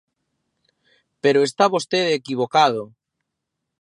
Pero está vostede equivocado.